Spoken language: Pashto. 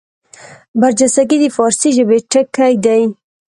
برجستګي د فاړسي ژبي ټکی دﺉ.